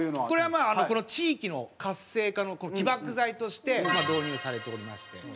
これはまあ地域の活性化の起爆剤として導入されておりまして。